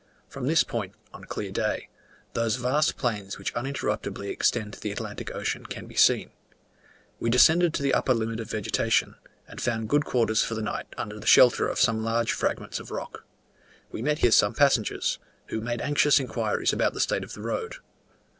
From this point, on a clear day, those vast plains which uninterruptedly extend to the Atlantic Ocean can be seen. We descended to the upper limit of vegetation, and found good quarters for the night under the shelter of some large fragments of rock. We met here some passengers, who made anxious inquiries about the state of the road.